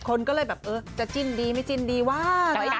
คนก็เลยแบบเออจะจิ้นดีไม่จิ้นดีวะ